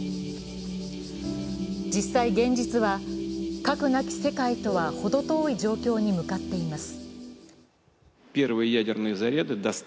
実際、現実は核なき世界とはほど遠い状況に向かっています。